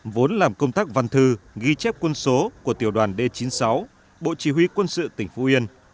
vốn làm công tác văn thư ghi chép quân số của tiểu đoàn d chín mươi sáu bộ chỉ huy quân sự tỉnh phú yên